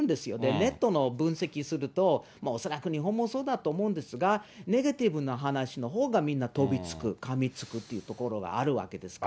ネットの分析をすると、恐らく、日本もそうだと思うんですが、ネガティブな話のほうがみんな飛びつく、かみつくというところがあるわけですから。